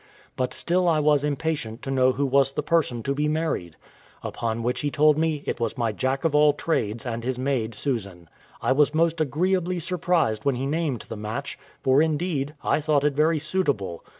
But still I was impatient to know who was the person to be married; upon which he told me it was my Jack of all trades and his maid Susan. I was most agreeably surprised when he named the match; for, indeed, I thought it very suitable.